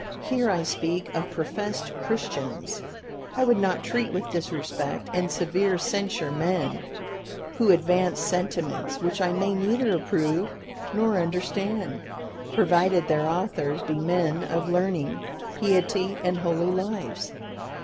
Here I speak of professed Christians. I would not treat with disrespect and severe censure men who advance sentiments which I may neither approve nor understand, provided their authors be men of learning, piety, and holy lives.